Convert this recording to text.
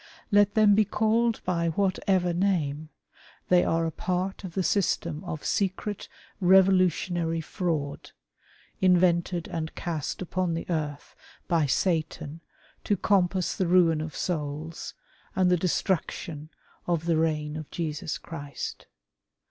Let them be called by whatever name, they are a part of the system of secret revolutionary fraud, invented and cast upon the earth by Satan to compass the ruin of souls, and the destruction of the reign of Jesus Christ.